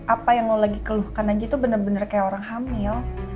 apa yang lo lagi keluhkan aja tuh bener bener kayak orang hamil